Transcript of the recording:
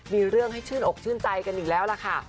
มีเรื่องให้ชื่นอกชื่นใจกันอีกแล้วล่ะค่ะ